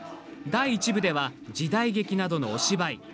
第１部では時代劇などのお芝居。